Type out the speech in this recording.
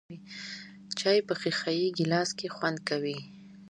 چای په ښیښه یې ګیلاس کې خوند کوي .